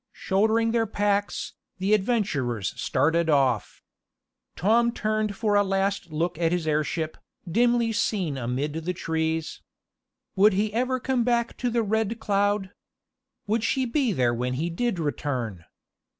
Shouldering their packs, the adventurers started off. Tom turned for a last look at his airship, dimly seen amid the trees. Would he ever come back to the Red Cloud? Would she be there when he did return?